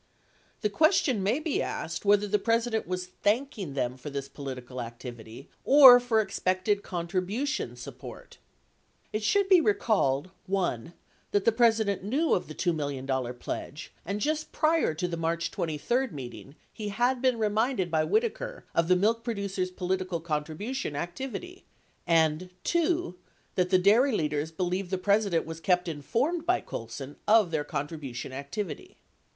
92 The question may be asked whether the President was thanking them for this political activity or for expected contribution "support." It should be recalled (1) that the President knew of the $2 million pledge and just prior to the March 23 meeting he had been reminded by Whitaker of the milk producers' political contribution activity, and (2) that the dairy leaders believed the President was kept informed by Colson of their contribution activity.